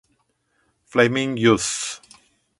Flaming Youth